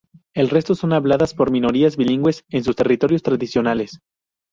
El resto son habladas por minorías bilingües en sus territorios tradicionales.